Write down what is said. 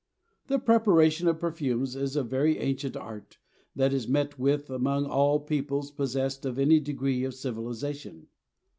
The preparation of perfumes is a very ancient art that is met with among all peoples possessed of any degree of civilization.